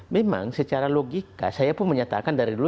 memang secara logika saya pun menyatakan dari dulu